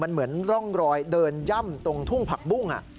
มันเหมือนร่องรอยเดินย่ำตรงทุ่งผักบุ้ง